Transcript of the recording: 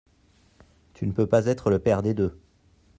Tu ne peux pas être le père des deux.